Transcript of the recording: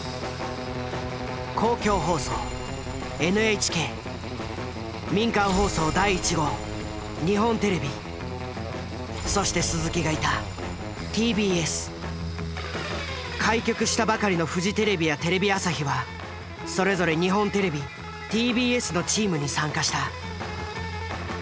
公共放送民間放送第１号そして鈴木がいた開局したばかりのフジテレビやテレビ朝日はそれぞれ日本テレビＴＢＳのチームに参加した。